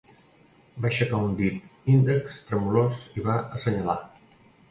Va aixecar un dit índex tremolós i va assenyalar.